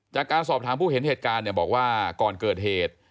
จากการสอบถามผู้เห็นเหตุการณ์เนี่ยบอกว่าก่อนเกิดเหตุ